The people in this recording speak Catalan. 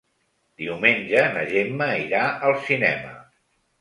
Diumenge na Gemma irà al cinema.